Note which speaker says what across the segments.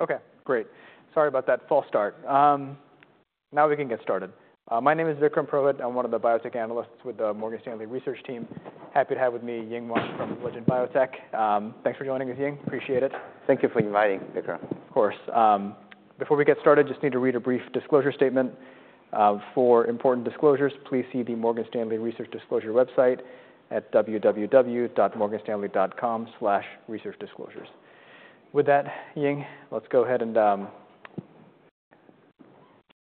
Speaker 1: Okay, great. Sorry about that false start. Now we can get started. My name is Vikram Purohit. I'm one of the biotech analysts with the Morgan Stanley research team. Happy to have with me Ying Huang from Legend Biotech. Thanks for joining us, Ying. Appreciate it.
Speaker 2: Thank you for inviting, Vikram.
Speaker 1: Of course. Before we get started, just need to read a brief disclosure statement. For important disclosures, please see the Morgan Stanley Research Disclosure website at www.morganstanley.com/researchdisclosures. With that, Ying, let's go ahead and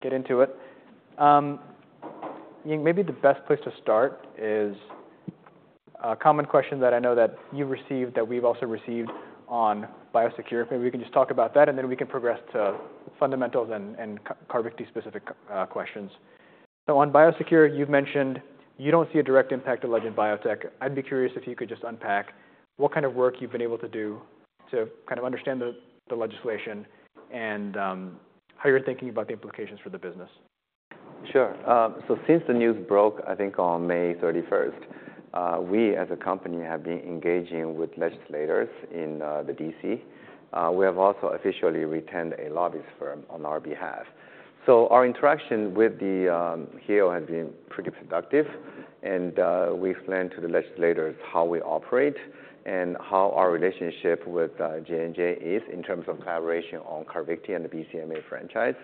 Speaker 1: get into it. Ying, maybe the best place to start is a common question that I know that you've received, that we've also received on BioSecure. Maybe we can just talk about that, and then we can progress to fundamentals and target the specific questions. So on BioSecure, you've mentioned you don't see a direct impact to Legend Biotech. I'd be curious if you could just unpack what kind of work you've been able to do to kind of understand the legislation and how you're thinking about the implications for the business.
Speaker 2: Sure, so since the news broke, I think on May 31st, we, as a company, have been engaging with legislators in the D.C. We have also officially retained a lobbyist firm on our behalf, so our interaction with the Hill has been pretty productive, and we explained to the legislators how we operate and how our relationship with J&J is in terms of collaboration on Carvykti and the BCMA franchise,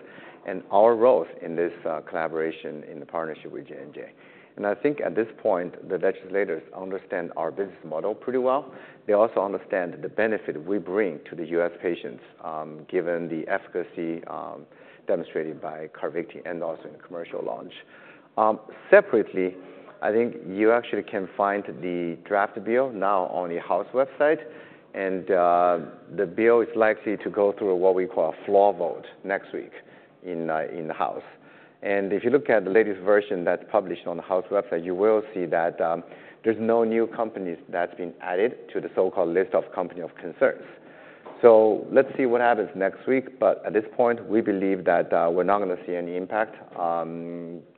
Speaker 2: and our roles in this collaboration in the partnership with J&J, and I think at this point, the legislators understand our business model pretty well. They also understand the benefit we bring to the U.S. patients, given the efficacy demonstrated by Carvykti and also in the commercial launch. Separately, I think you actually can find the draft bill now on the House website, and the bill is likely to go through what we call a floor vote next week in the House. And if you look at the latest version that's published on the House website, you will see that there's no new companies that's been added to the so-called list of company of concerns. So let's see what happens next week, but at this point, we believe that we're not going to see any impact,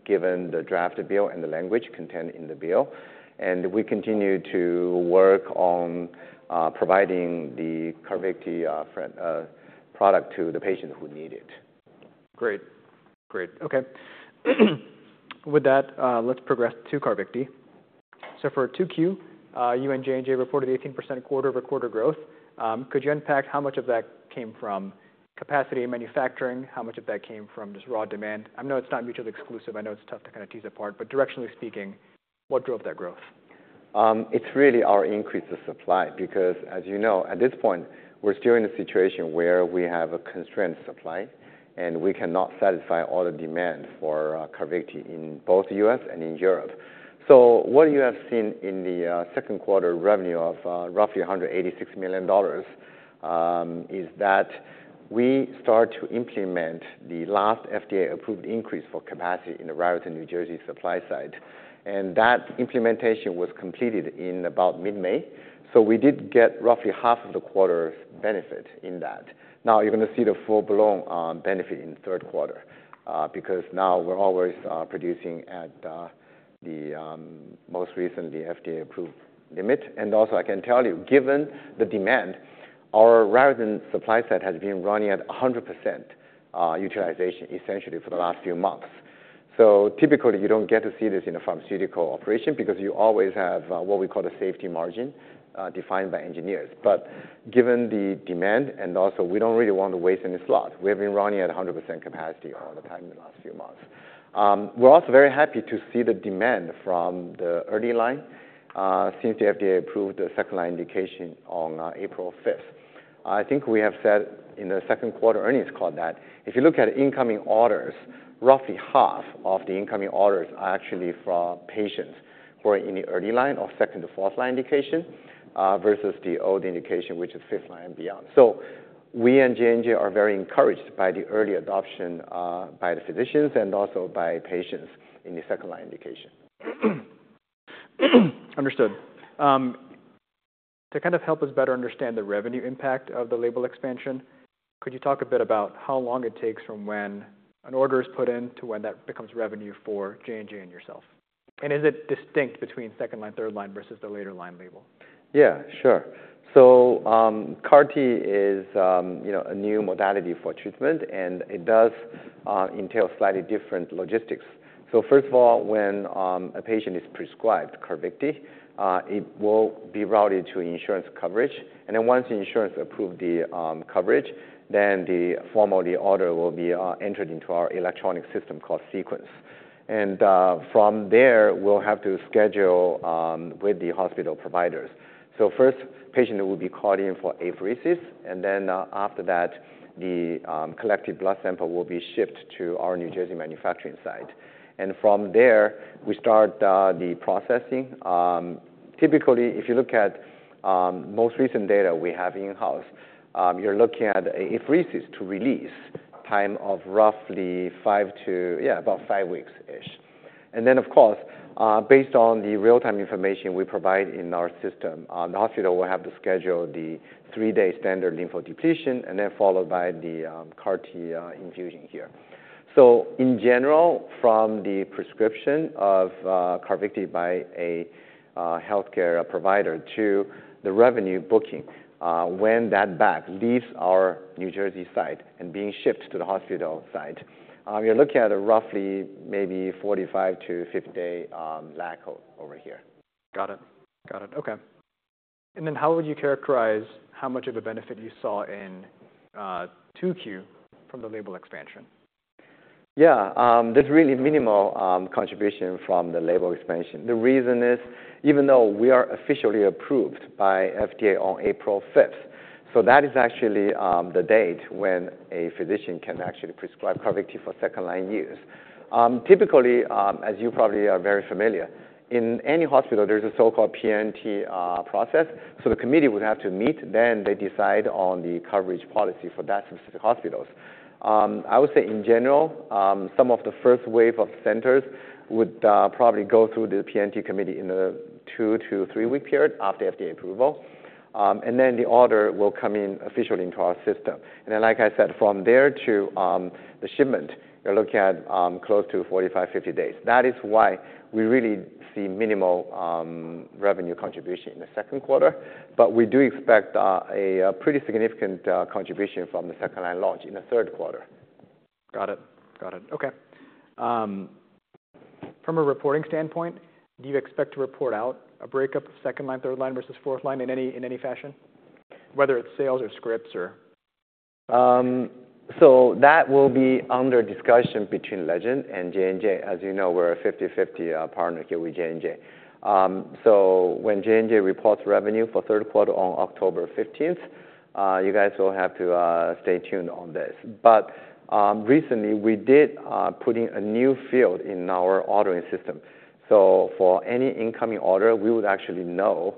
Speaker 2: given the drafted bill and the language contained in the bill. And we continue to work on providing the Carvykti product to the patients who need it.
Speaker 1: Great. Great. Okay. With that, let's progress to Carvykti. So for 2Q, you and J&J reported 18% quarter-over-quarter growth. Could you unpack how much of that came from capacity and manufacturing? How much of that came from just raw demand? I know it's not mutually exclusive. I know it's tough to kind of tease apart, but directionally speaking, what drove that growth?
Speaker 2: It's really our increase of supply, because as you know, at this point, we're still in a situation where we have a constrained supply, and we cannot satisfy all the demand for Carvykti in both the U.S. and in Europe, so what you have seen in the second quarter revenue of roughly $186 million is that we start to implement the last FDA-approved increase for capacity in the Raritan, New Jersey, supply site, and that implementation was completed in about mid-May, so we did get roughly half of the quarter's benefit in that. Now, you're gonna see the full-blown benefit in the third quarter, because now we're always producing at the most recent, the FDA-approved limit. Also, I can tell you, given the demand, our Raritan supply site has been running at 100% utilization, essentially for the last few months. So typically, you don't get to see this in a pharmaceutical operation because you always have what we call a safety margin defined by engineers. But given the demand, and also we don't really want to waste any slot, we have been running at 100% capacity all the time in the last few months. We're also very happy to see the demand from the early-line since the FDA approved the second-line indication on April 5th. I think we have said in the second quarter earnings call that if you look at incoming orders, roughly half of the incoming orders are actually from patients who are in the early-line or second-line to fourth-line indication, versus the old indication, which are fifth-line and beyond. So we and J&J are very encouraged by the early adoption, by the physicians and also by patients in the second-line indication.
Speaker 1: Understood. To kind of help us better understand the revenue impact of the label expansion, could you talk a bit about how long it takes from when an order is put in to when that becomes revenue for J&J and yourself? And is it distinct between second-line, third-line versus the later line label?
Speaker 2: Yeah, sure. So, CAR-T is, you know, a new modality for treatment, and it does entail slightly different logistics. So first of all, when a patient is prescribed Carvykti, it will be routed to insurance coverage, and then once the insurance approve the coverage, then the form of the order will be entered into our electronic system called Sequence. And from there, we'll have to schedule with the hospital providers. So first, patient will be called in for apheresis, and then after that, the collected blood sample will be shipped to our New Jersey manufacturing site. And from there, we start the processing. Typically, if you look at most recent data we have in-house, you're looking at apheresis to release time of roughly five to, yeah, about five weeks-ish. And then, of course, based on the real-time information we provide in our system, the hospital will have to schedule the three-day standard lymphodepletion, and then followed by the CAR-T infusion here. So in general, from the prescription of Carvykti by a healthcare provider to the revenue booking, when that batch leaves our New Jersey site and being shipped to the hospital site, you're looking at a roughly maybe 45-day to 50-day lag over here.
Speaker 1: Got it. Got it. Okay. And then how would you characterize how much of a benefit you saw in 2Q from the label expansion?
Speaker 2: Yeah, there's really minimal contribution from the label expansion. The reason is, even though we are officially approved by FDA on April 5th, so that is actually the date when a physician can actually prescribe Carvykti for second-line use. Typically, as you probably are very familiar, in any hospital, there's a so-called P&T process. So the committee would have to meet, then they decide on the coverage policy for that specific hospitals. I would say in general, some of the first wave of centers would probably go through the P&T committee in a two-week to three-week period after FDA approval. And then the order will come in officially into our system. And then, like I said, from there to the shipment, you're looking at close to 45 days, 50 days. That is why we really see minimal revenue contribution in the second quarter, but we do expect a pretty significant contribution from the second-line launch in the third quarter.
Speaker 1: Got it. Got it. Okay. From a reporting standpoint, do you expect to report out a breakup of second-line, third-line versus fourth-line in any, in any fashion, whether it's sales or scripts or?
Speaker 2: So that will be under discussion between Legend and J&J. As you know, we're a 50-50 partner here with J&J. So when J&J reports revenue for third quarter on October 15th, you guys will have to stay tuned on this. But recently we did putting a new field in our ordering system. So for any incoming order, we would actually know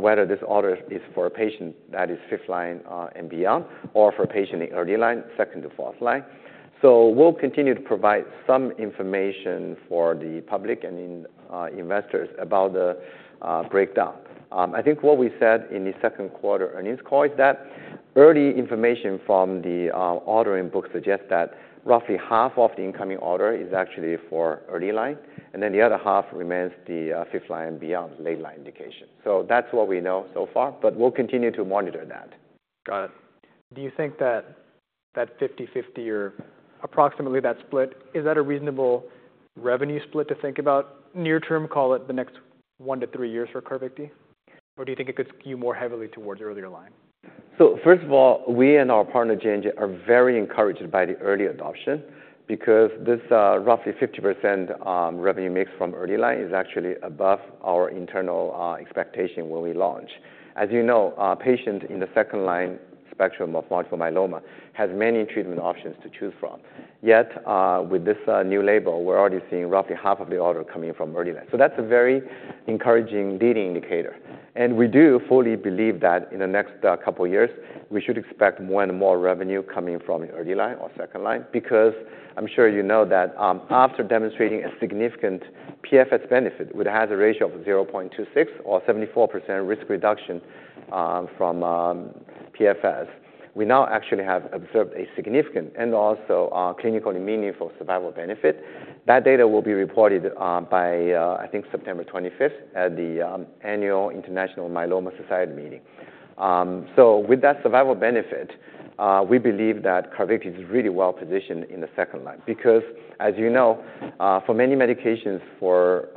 Speaker 2: whether this order is for a patient that is fifth-line and beyond, or for a patient in early-line, second-line to fourth line. So we'll continue to provide some information for the public and investors about the breakdown. I think what we said in the second quarter earnings call is that early information from the ordering book suggests that roughly half of the incoming order is actually for early-line, and then the other half remains the fifth-line and beyond late line indication. So that's what we know so far, but we'll continue to monitor that.
Speaker 1: Got it. Do you think that that 50-50 or approximately that split, is that a reasonable revenue split to think about near term, call it the next one to three years for Carvykti or do you think it could skew more heavily towards earlier line?
Speaker 2: So first of all, we and our partner, J&J, are very encouraged by the early adoption because this roughly 50% revenue mix from early-line is actually above our internal expectation when we launch. As you know, patients in the second line spectrum of multiple myeloma have many treatment options to choose from. Yet, with this new label, we're already seeing roughly half of the order coming in from early-line. So that's a very encouraging leading indicator, and we do fully believe that in the next couple of years, we should expect more and more revenue coming from early-line or second-line. Because I'm sure you know that, after demonstrating a significant PFS benefit with a hazard ratio of 0.26 or 74% risk reduction from PFS, we now actually have observed a significant and also clinically meaningful survival benefit. That data will be reported by, I think, September twenty-fifth at the Annual International Myeloma Society meeting. So with that survival benefit, we believe that Carvykti is really well-positioned in the second-line. Because, as you know, for many medications for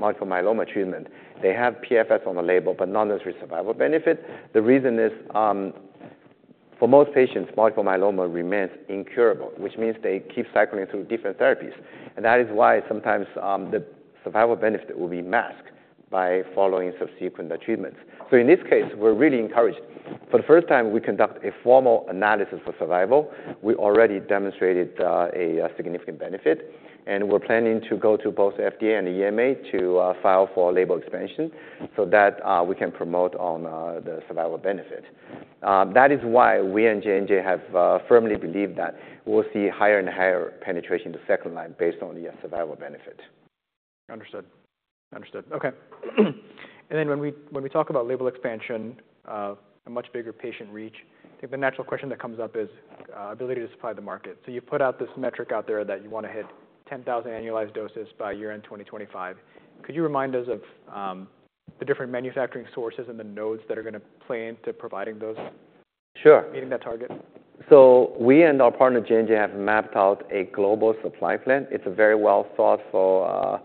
Speaker 2: multiple myeloma treatment, they have PFS on the label, but not necessarily survival benefit. The reason is, for most patients, multiple myeloma remains incurable, which means they keep cycling through different therapies. And that is why sometimes the survival benefit will be masked by following subsequent treatments. So in this case, we're really encouraged. For the first time, we conduct a formal analysis for survival. We already demonstrated a significant benefit, and we're planning to go to both FDA and the EMA to file for label expansion so that we can promote on the survival benefit. That is why we and J&J have firmly believed that we'll see higher and higher penetration in the second-line based on the survival benefit.
Speaker 1: Understood. Understood. Okay. And then when we talk about label expansion, a much bigger patient reach, I think the natural question that comes up is, ability to supply the market. So you put this metric out there that you wanna hit 10,000 annualized doses by year-end 2025. Could you remind us of the different manufacturing sources and the nodes that are going to play into providing those meeting that target?
Speaker 2: So we and our partner, J&J, have mapped out a global supply plan. It's a very well thoughtful,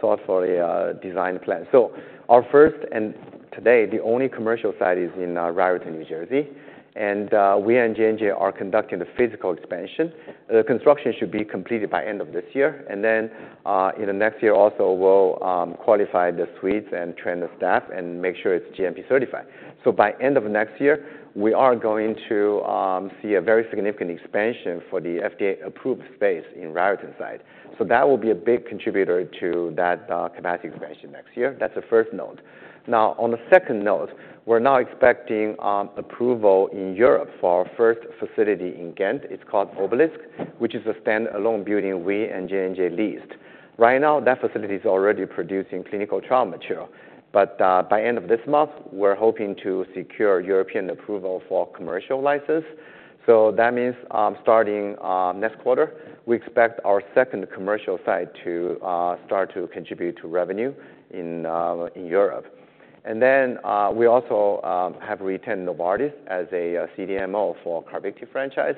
Speaker 2: thoughtfully design plan. So our first, and today, the only commercial site is in Raritan, New Jersey, and we and J&J are conducting the physical expansion. The construction should be completed by end of this year, and then, in the next year also, we'll, qualify the suites and train the staff and make sure it's GMP certified. So by end of next year, we are going to, see a very significant expansion for the FDA-approved space in Raritan site. So that will be a big contributor to that capacity expansion next year. That's the first node. Now, on the second node, we're now expecting, approval in Europe for our first facility in Ghent. It's called Obelisc, which is a standalone building we and J&J leased. Right now, that facility is already producing clinical trial material. But by end of this month, we're hoping to secure European approval for commercial license. So that means starting next quarter, we expect our second commercial site to start to contribute to revenue in Europe. And then we also have retained Novartis as a CDMO for Carvykti franchise.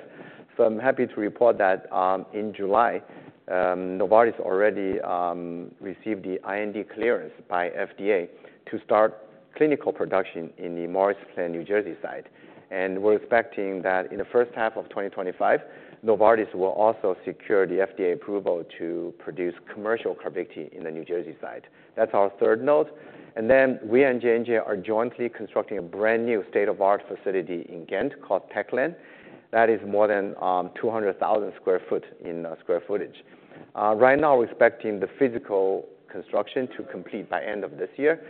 Speaker 2: So I'm happy to report that in July, Novartis already received the IND clearance by FDA to start clinical production in the Morris Plains, New Jersey site. And we're expecting that in the first half of 2025, Novartis will also secure the FDA approval to produce commercial Carvykti in the New Jersey site. That's our third node. And then we and J&J are jointly constructing a brand-new state-of-the-art facility in Ghent called Tech Lane, that is more than 200,000 sq ft in square footage. Right now, we're expecting the physical construction to complete by end of this year.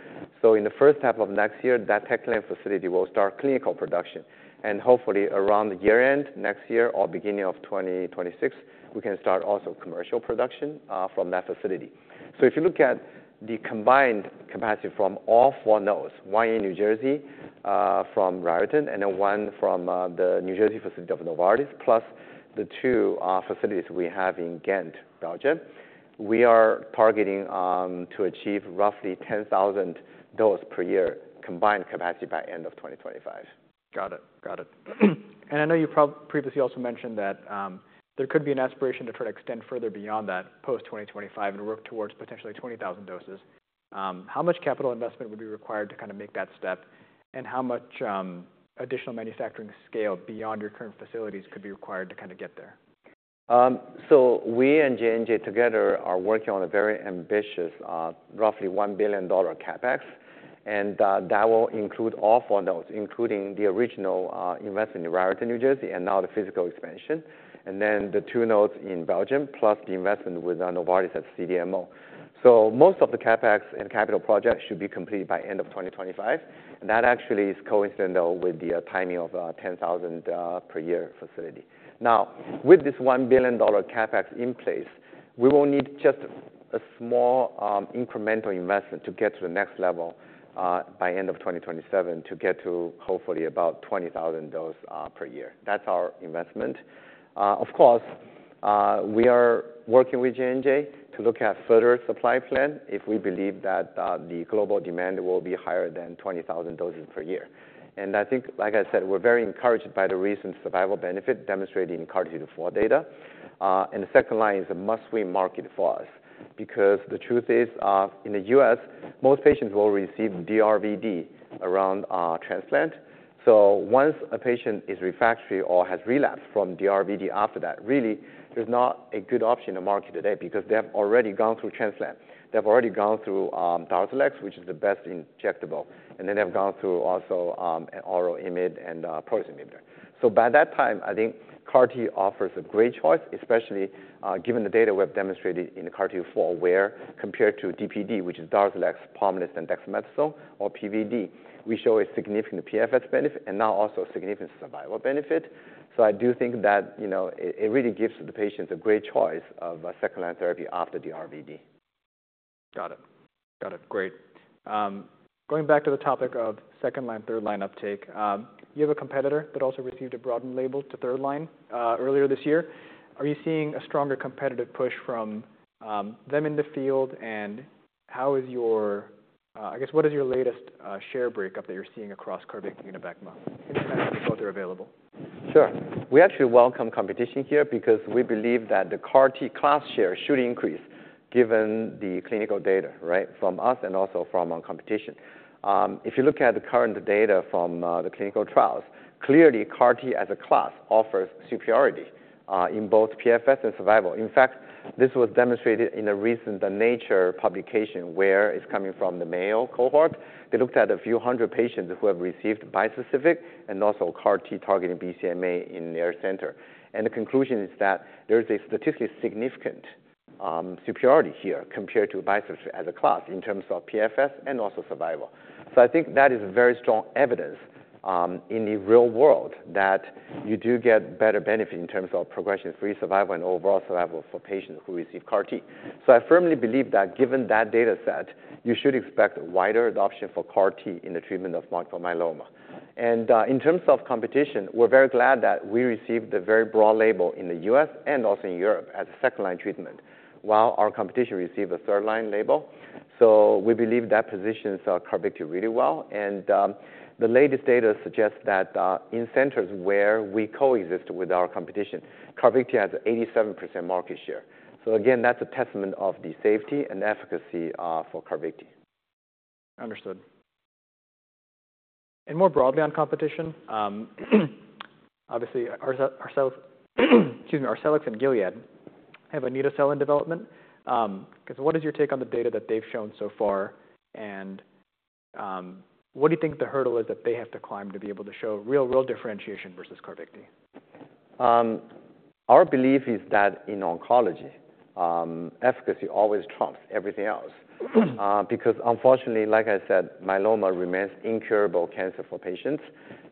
Speaker 2: In the first half of next year, that Tech Lane facility will start clinical production. And hopefully, around the year-end next year or beginning of 2026, we can start also commercial production from that facility. If you look at the combined capacity from all four nodes, one in New Jersey from Raritan, and then one from the New Jersey facility of Novartis, plus the two facilities we have in Ghent, Belgium, we are targeting to achieve roughly 10,000 dose per year combined capacity by end of 2025.
Speaker 1: Got it. Got it. And I know you previously also mentioned that, there could be an aspiration to try to extend further beyond that post 2025 and work towards potentially twenty thousand doses. How much capital investment would be required to kind of make that step? And how much, additional manufacturing scale beyond your current facilities could be required to kind of get there?
Speaker 2: So we and J&J together are working on a very ambitious, roughly $1 billion CapEx. And that will include all four nodes, including the original investment in Raritan, New Jersey, and now the physical expansion, and then the two nodes in Belgium, plus the investment with Novartis at CDMO. So most of the CapEx and capital projects should be completed by end of 2025. That actually is coincident, though, with the timing of 10,000 per year facility. Now, with this $1 billion CapEx in place, we will need just a small incremental investment to get to the next level by end of 2027 to get to, hopefully, about 20,000 doses per year. That's our investment. Of course, we are working with J&J to look at further supply plan if we believe that the global demand will be higher than 20,000 doses per year, and I think, like I said, we're very encouraged by the recent survival benefit demonstrated in CARTITUDE-4 data, and the second line is a must-win market for us. Because the truth is, in the U.S., most patients will receive D-RVd around transplant. So once a patient is refractory or has relapsed from D-RVd after that, really, there's not a good option in the market today, because they have already gone through transplant. They've already gone through Darzalex, which is the best injectable, and then they've gone through also an oral IMiD and proteasome inhibitor. So by that time, I think CAR-T offers a great choice, especially, given the data we have demonstrated in the CARTITUDE-4, where compared to DPD, which is Darzalex, Pomalyst, and Dexamethasone, or PVD, we show a significant PFS benefit and now also a significant survival benefit. So I do think that, you know, it really gives the patients a great choice of a second-line therapy after D-RVd.
Speaker 1: Got it. Got it. Great. Going back to the topic of second-line, third-line uptake, you have a competitor that also received a broadened label to third line, earlier this year. Are you seeing a stronger competitive push from them in the field? And how is your, what is your latest, share breakdown that you're seeing across Carvykti and Abecma, to the extent that both are available?
Speaker 2: Sure. We actually welcome competition here because we believe that the CAR T class share should increase given the clinical data, right? From us and also from our competition. If you look at the current data from the clinical trials, clearly, CAR T as a class offers superiority in both PFS and survival. In fact, this was demonstrated in a recent the Nature publication, where it's coming from the Mayo cohort. They looked at a few hundred patients who have received bispecific and also CAR T targeting BCMA in their center, and the conclusion is that there is a statistically significant superiority here compared to bispecific as a class in terms of PFS and also survival. So I think that is a very strong evidence in the real world that you do get better benefit in terms of progression-free survival and overall survival for patients who receive CAR T. So I firmly believe that given that data set you should expect wider adoption for CAR T in the treatment of multiple myeloma. And in terms of competition we're very glad that we received a very broad label in the U.S. and also in Europe as a second-line treatment while our competition received a third-line label. So we believe that positions Carvykti really well. And the latest data suggests that in centers where we coexist with our competition Carvykti has 87% market share. So again that's a testament of the safety and efficacy for Carvykti.
Speaker 1: Understood. And more broadly on competition, obviously, ourselves, excuse me, Cellectis and Gilead have an NK cell in development. So what is your take on the data that they've shown so far, and what do you think the hurdle is that they have to climb to be able to show real, real differentiation versus Carvykti?
Speaker 2: Our belief is that in oncology, efficacy always trumps everything else. Because unfortunately, like I said, myeloma remains incurable cancer for patients.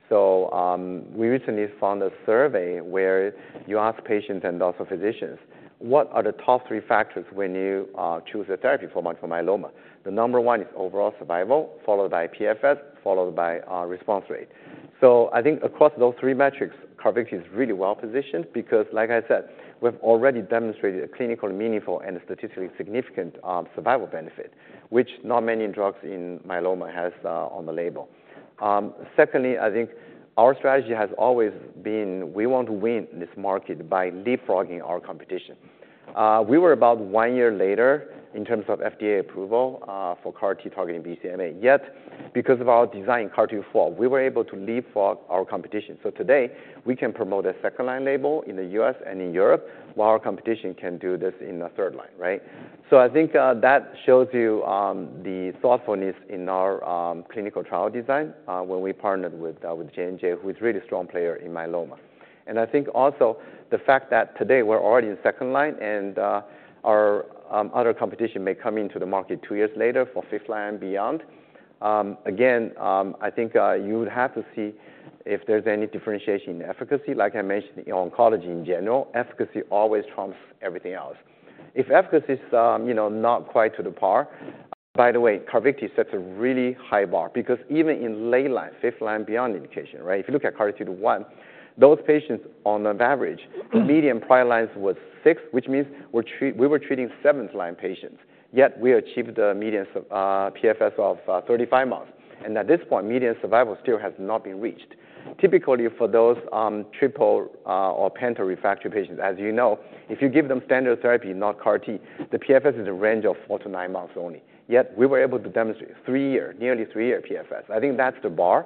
Speaker 2: So, we recently found a survey where you ask patients and also physicians, what are the top three factors when you choose a therapy for multiple myeloma? The number one is overall survival, followed by PFS, followed by response rate. So I think across those three metrics, Carvykti is really well-positioned because, like I said, we've already demonstrated a clinical, meaningful, and statistically significant survival benefit, which not many drugs in myeloma has on the label. Secondly, I think our strategy has always been, we want to win this market by leapfrogging our competition. We were about one year later in terms of FDA approval for CAR T targeting BCMA, yet because of our design in CAR-T4, we were able to leapfrog our competition. So today, we can promote a second-line label in the U.S. and in Europe, while our competition can do this in the third-line, right? So I think that shows you the thoughtfulness in our clinical trial design when we partnered with J&J, who is a really strong player in myeloma. And I think also the fact that today we're already in second-line, and our other competition may come into the market two years later for fifth-line and beyond. Again, I think you would have to see if there's any differentiation in efficacy. Like I mentioned, in oncology in general, efficacy always trumps everything else. If efficacy is you know not quite to the par, by the way, Carvykti sets a really high bar because even in late-line, fifth-line beyond indication, right? If you look at CARTITUDE-1, those patients on an average, median prior lines was six, which means we're treat we were treating seventh-line patients, yet we achieved a median PFS of 35 months. And at this point, median survival still has not been reached. Typically, for those triple or penta refractory patients, as you know, if you give them standard therapy, not CAR-T, the PFS is a range of 4 months to 9 months only, yet we were able to demonstrate 3 years, nearly 3-year PFS. I think that's the bar,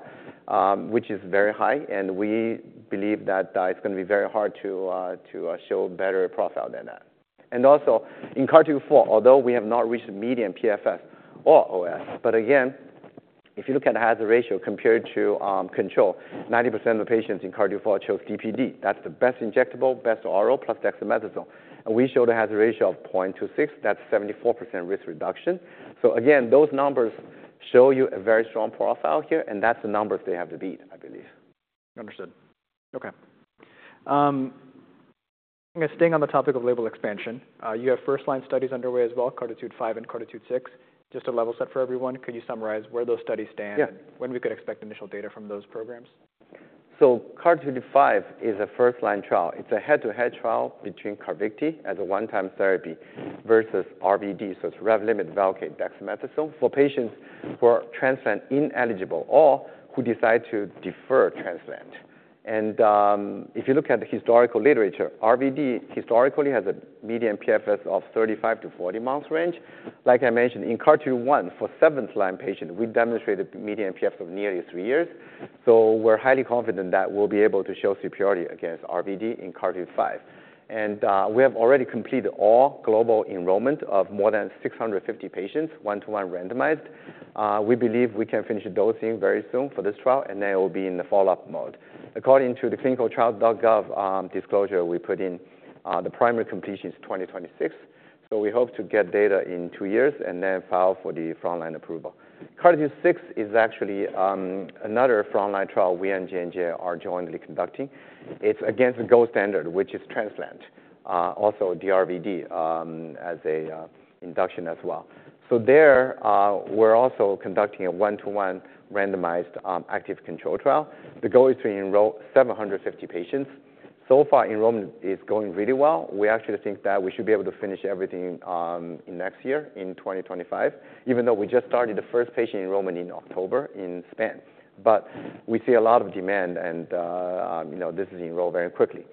Speaker 2: which is very high, and we believe that it's gonna be very hard to show a better profile than that. And also, in CAR-T4, although we have not reached the median PFS or OS, but again, if you look at the hazard ratio compared to control, 90% of the patients in CAR-T4 chose DPD. That's the best injectable, best oral plus dexamethasone. And we showed a hazard ratio of 0.26. That's 74% risk reduction. So again, those numbers show you a very strong profile here, and that's the numbers they have to beat, I believe.
Speaker 1: Understood. Okay. Staying on the topic of label expansion, you have first-line studies underway as well, CARTITUDE-5 and CARTITUDE-6. Just to level set for everyone, could you summarize where those studies stand and when we could expect initial data from those programs?
Speaker 2: Yeah. CAR -T5 is a first-line trial. It's a head-to-head trial between Carvykti as a one-time therapy versus RVd. It's Revlimid, Velcade, dexamethasone for patients who are transplant-ineligible or who decide to defer transplant. If you look at the historical literature, RVd historically has a median PFS of 35 months to 40 months range. Like I mentioned, in CAR-T1, for seventh-line patient, we demonstrated median PFS of nearly three years. We're highly confident that we'll be able to show superiority against RVD in CAR-T5. We have already completed all global enrollment of more than 650 patients, one-to-one randomized. We believe we can finish dosing very soon for this trial, and then it will be in the follow-up mode. According to the clinicaltrials.gov disclosure, we put in the primary completion is 2026, so we hope to get data in two years and then file for the front-line approval. CARTITUDE-6 is actually another front-line trial we and J&J are jointly conducting. It's against the gold standard, which is transplant, also D-RVd, as a induction as well. So there, we're also conducting a one-to-one randomized active control trial. The goal is to enroll 750 patients. So far, enrollment is going really well. We actually think that we should be able to finish everything in next year in 2025, even though we just started the first patient enrollment in October in Spain. But we see a lot of demand and, you know, this is enrolled very quickly.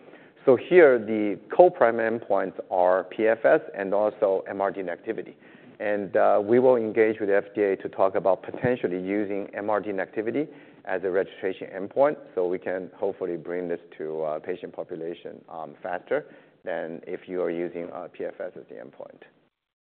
Speaker 2: Here the co-primary endpoints are PFS and also MRD negativity. And we will engage with the FDA to talk about potentially using MRD negativity as a registration endpoint, so we can hopefully bring this to a patient population faster than if you are using PFS as the endpoint.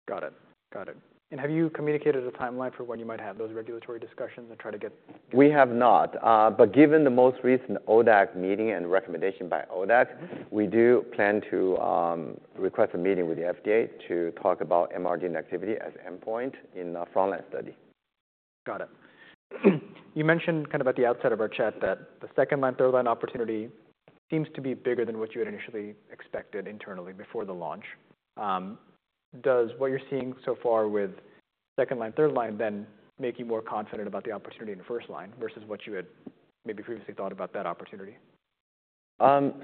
Speaker 1: Got it. Got it. And have you communicated a timeline for when you might have those regulatory discussions and try to get?
Speaker 2: We have not. But given the most recent ODAC meeting and recommendation by ODAC We do plan to request a meeting with the FDA to talk about MRD negativity as an endpoint in a front-line study.
Speaker 1: Got it. You mentioned kind of at the outset of our chat that the second-line, third-line opportunity seems to be bigger than what you had initially expected internally before the launch. Does what you're seeing so far with second-line, third-line, then make you more confident about the opportunity in the first line versus what you had maybe previously thought about that opportunity?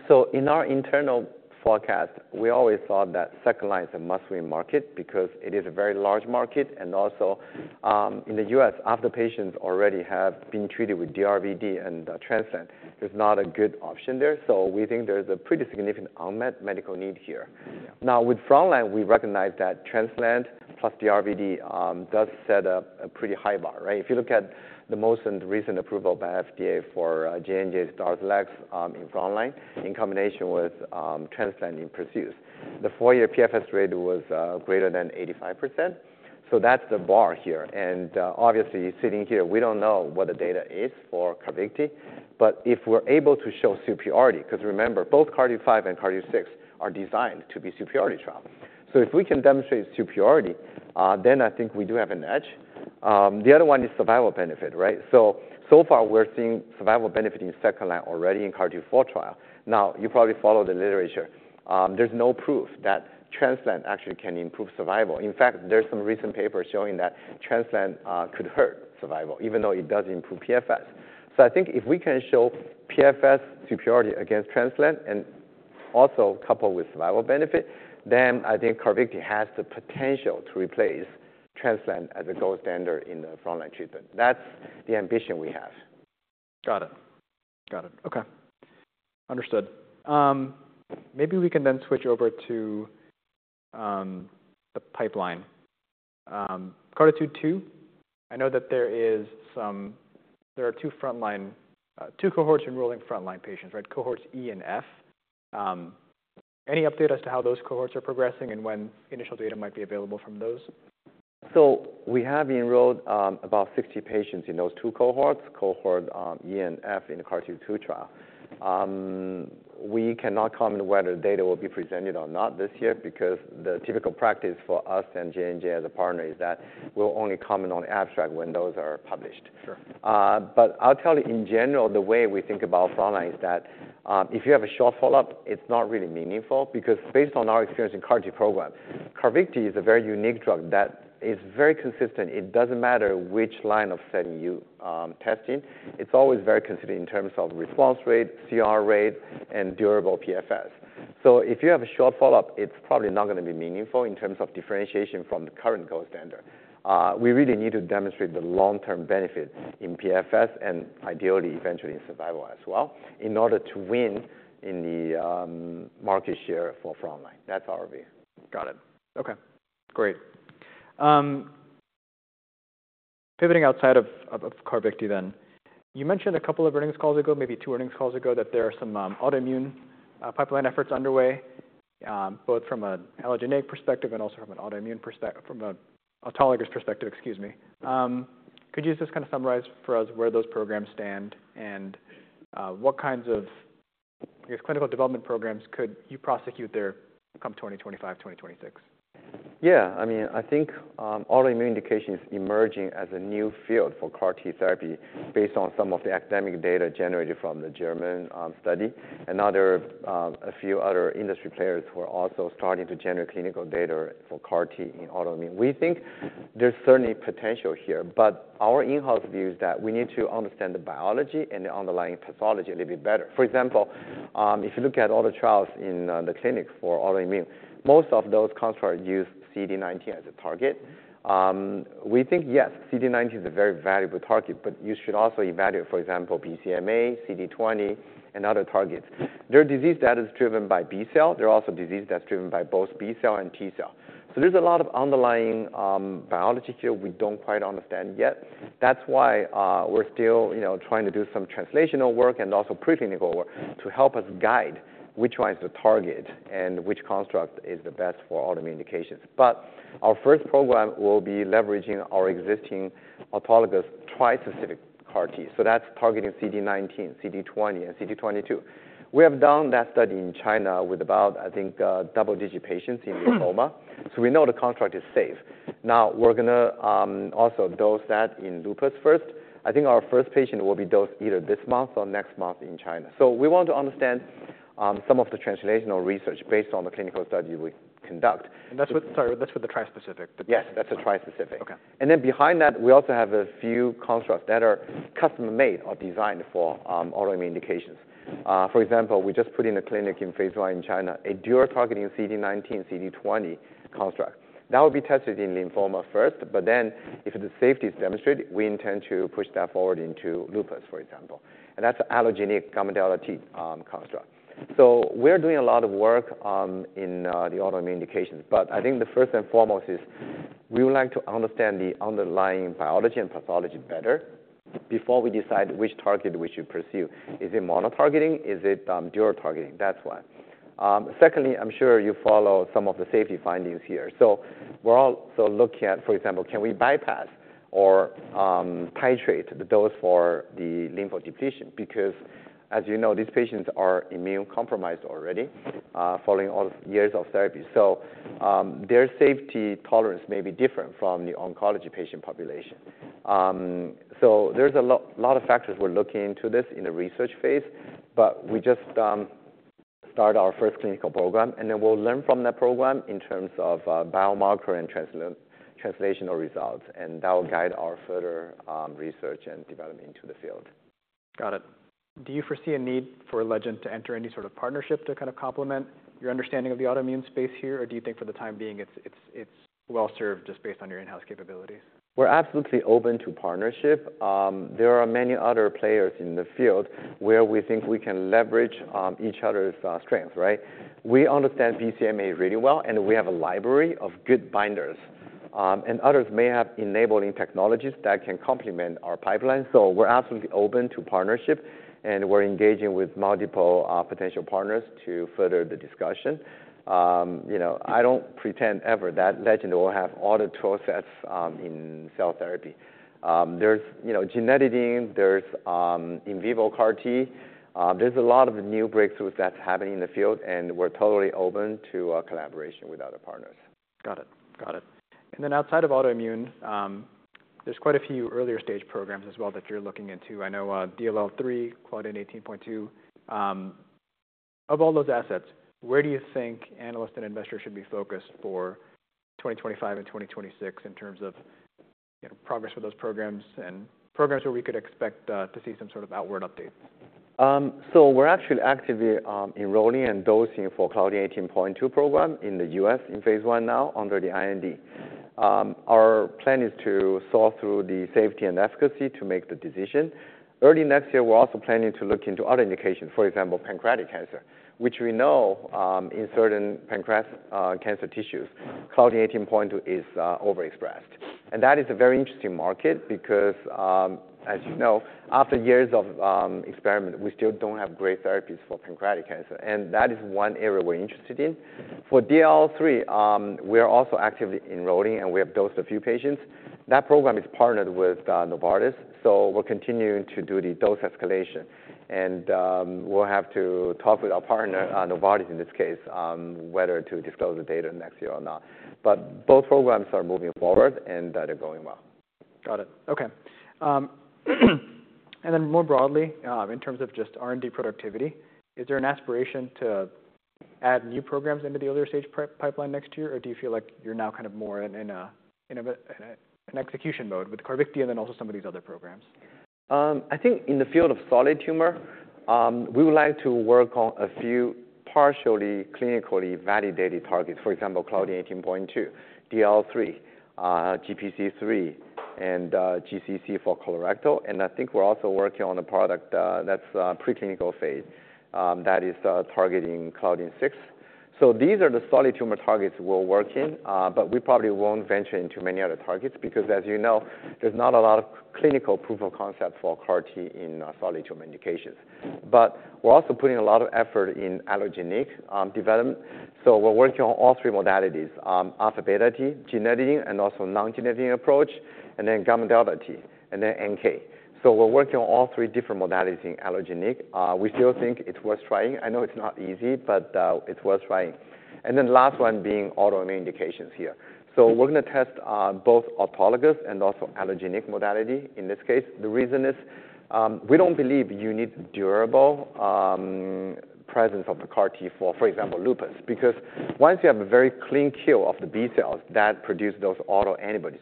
Speaker 2: So in our internal forecast, we always thought that second-line is a must-win market because it is a very large market, and also, in the U.S., after patients already have been treated with D-RVd and transplant, there's not a good option there. So we think there's a pretty significant unmet medical need here. Now, with front line, we recognize that transplant plus D-RVd does set a pretty high bar, right? If you look at the most recent approval by FDA for J&J's Darzalex in front line in combination with transplant in PERSEUS, the four-year PFS rate was greater than 85%. So that's the bar here. Obviously, sitting here, we don't know what the data is for Carvykti, but if we're able to show superiority, because remember, both CAR-T5 and CAR T6 are designed to be superiority trial. So if we can demonstrate superiority, then I think we do have an edge. The other one is survival benefit, right? So, so far, we're seeing survival benefit in second line already in CAR-T4 trial. Now, you probably follow the literature. There's no proof that transplant actually can improve survival. In fact, there's some recent papers showing that transplant could hurt survival, even though it does improve PFS. So I think if we can show PFS superiority against transplant and also coupled with survival benefit, then I think Carvykti has the potential to replace transplant as a gold standard in the frontline treatment. That's the ambition we have.
Speaker 1: Got it. Okay, understood. Maybe we can then switch over to the pipeline. CARTITUDE-2, I know that there are two frontline two cohorts enrolling frontline patients, right? Cohorts E and F. Any update as to how those cohorts are progressing and when initial data might be available from those?
Speaker 2: We have enrolled about sixty patients in those two cohorts, cohort E and cohort F in the CARTITUDE-2 trial. We cannot comment whether data will be presented or not this year, because the typical practice for us and J&J as a partner is that we'll only comment on abstract when those are published.
Speaker 1: Sure.
Speaker 2: But I'll tell you, in general, the way we think about frontline is that, if you have a short follow-up, it's not really meaningful. Because based on our experience in CAR T program, Carvykti is a very unique drug that is very consistent. It doesn't matter which line of setting you testing, it's always very consistent in terms of response rate, CR rate, and durable PFS. So if you have a short follow-up, it's probably not going to be meaningful in terms of differentiation from the current gold standard. We really need to demonstrate the long-term benefits in PFS and ideally eventually survival as well, in order to win in the market share for frontline. That's our view.
Speaker 1: Got it. Okay, great. Pivoting outside of Carvykti then. You mentioned a couple of earnings calls ago, maybe two earnings calls ago, that there are some autoimmune pipeline efforts underway, both from an allogeneic perspective and also from an autologous perspective, excuse me. Could you just kind of summarize for us where those programs stand, and what kinds of clinical development programs could you prosecute there come 2025, 2026?
Speaker 2: Yeah. I mean, I think, autoimmune indication is emerging as a new field for CAR T therapy, based on some of the academic data generated from the German study. And now there are a few other industry players who are also starting to generate clinical data for CAR T in autoimmune. We think there's certainly potential here, but our in-house view is that we need to understand the biology and the underlying pathology a little bit better. For example, if you look at all the trials in the clinic for autoimmune, most of those constructs use CD19 as a target. We think, yes, CD19 is a very valuable target, but you should also evaluate, for example, BCMA, CD20, and other targets. There are disease that is driven by B cell. There are also disease that's driven by both B cell and T cell. So there's a lot of underlying biology here we don't quite understand yet. That's why we're still, you know, trying to do some translational work and also preclinical work to help us guide which ones to target and which construct is the best for autoimmune indications. But our first program will be leveraging our existing autologous tri-specific CAR T. So that's targeting CD19, CD20, and CD22. We have done that study in China with about, I think, double-digit patients in lymphoma. So we know the construct is safe. Now, we're going to also dose that in lupus first. I think our first patient will be dosed either this month or next month in China. So we want to understand some of the translational research based on the clinical study we conduct.
Speaker 1: Sorry, that's with the tri-specific?
Speaker 2: Yes, that's a tri-specific.
Speaker 1: Okay.
Speaker 2: And then behind that, we also have a few constructs that are custom-made or designed for autoimmune indications. For example, we just put in a clinic in phase I in China, a dual targeting CD19, CD20 construct. That will be tested in lymphoma first, but then if the safety is demonstrated, we intend to push that forward into lupus, for example. And that's an allogeneic chimeric T construct. So we're doing a lot of work in the autoimmune indications, but I think the first and foremost is we would like to understand the underlying biology and pathology better before we decide which target we should pursue. Is it monotargeting? Is it dual targeting? That's why. Secondly, I'm sure you follow some of the safety findings here. So we're also looking at, for example, can we bypass or titrate the dose for the lymphodepletion? Because as you know, these patients are immunocompromised already, following all years of therapy. So their safety tolerance may be different from the oncology patient population. So there's a lot of factors we're looking into this in the research phase, but we just start our first clinical program, and then we'll learn from that program in terms of biomarker and translational results, and that will guide our further research and development into the field.
Speaker 1: Got it. Do you foresee a need for Legend to enter any sort of partnership to kind of complement your understanding of the autoimmune space here? Or do you think for the time being, it's well-served just based on your in-house capabilities?
Speaker 2: We're absolutely open to partnership. There are many other players in the field where we think we can leverage each other's strengths, right? We understand BCMA really well, and we have a library of good binders, and others may have enabling technologies that can complement our pipeline, so we're absolutely open to partnership, and we're engaging with multiple potential partners to further the discussion. You know, I don't pretend ever that Legend will have all the tool sets in cell therapy. There's you know, gene editing, there's in vivo CAR T. There's a lot of new breakthroughs that's happening in the field, and we're totally open to a collaboration with other partners.
Speaker 1: Got it. Got it. And then outside of autoimmune, there's quite a few earlier-stage programs as well that you're looking into. I know, DLL3, Claudin 18.2. Of all those assets, where do you think analysts and investors should be focused for 2025 and 2026 in terms of you know, progress with those programs, and programs where we could expect to see some sort of outward update?
Speaker 2: So we're actually actively enrolling and dosing for Claudin 18.2 program in the U.S. in phase I now under the IND. Our plan is to sort through the safety and efficacy to make the decision. Early next year, we're also planning to look into other indications, for example, pancreatic cancer, which we know in certain pancreas cancer tissues, Claudin 18.2 is overexpressed, and that is a very interesting market because, as you know, after years of experiment, we still don't have great therapies for pancreatic cancer, and that is one area we're interested in. For DLL3, we are also actively enrolling, and we have dosed a few patients. That program is partnered with Novartis, so we're continuing to do the dose escalation. And, we'll have to talk with our partner, Novartis, in this case, whether to disclose the data next year or not. But both programs are moving forward, and they're going well.
Speaker 1: Got it. Okay, and then more broadly, in terms of just R&D productivity, is there an aspiration to add new programs into the earlier-stage pre-pipeline next year or do you feel like you're now kind of more in an execution mode with Carvykti and then also some of these other programs?
Speaker 2: I think in the field of solid tumor, we would like to work on a few partially clinically validated targets. For example, Claudin 18.2, DLL3, GPC3, and GCC for colorectal, and I think we're also working on a product that's preclinical phase that is targeting Claudin 6. These are the solid tumor targets we're working, but we probably won't venture into many other targets because, as you know, there's not a lot of clinical proof of concept for CAR-T in solid tumor indications. We're also putting a lot of effort in allogeneic development, so we're working on all three modalities: alpha-beta T, genetic, and also non-genetic approach, and then gamma-delta T, and then NK. We're working on all three different modalities in allogeneic. We still think it's worth trying. I know it's not easy, but it's worth trying. And then last one being autoimmune indications here. So we're gonna test both autologous and also allogeneic modality. In this case, the reason is, we don't believe you need durable presence of the CAR T for example, lupus. Because once you have a very clean kill of the B cells that produce those autoantibodies,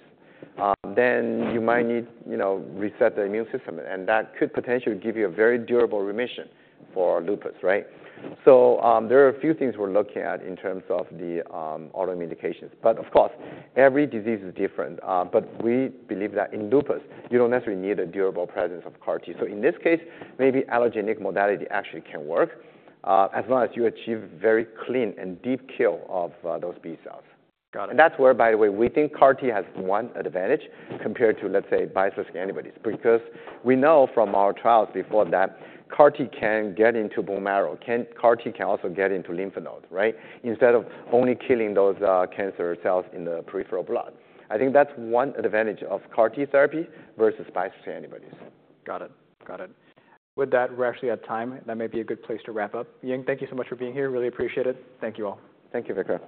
Speaker 2: then you might need, you know, reset the immune system, and that could potentially give you a very durable remission for lupus, right? So, there are a few things we're looking at in terms of the autoimmune indications, but of course, every disease is different. But we believe that in lupus, you don't necessarily need a durable presence of CAR T. In this case, maybe allogeneic modality actually can work, as long as you achieve very clean and deep kill of those B cells.
Speaker 1: Got it.
Speaker 2: And that's where, by the way, we think CAR T has one advantage compared to, let's say, bispecific antibodies. Because we know from our trials before that CAR T can get into bone marrow. CAR T can also get into lymph node, right? Instead of only killing those cancer cells in the peripheral blood. I think that's one advantage of CAR T therapy versus bispecific antibodies.
Speaker 1: Got it. Got it. With that, we're actually at time. That may be a good place to wrap up, Ying. Thank you so much for being here. Really appreciate it. Thank you, all.
Speaker 2: Thank you, Vikram.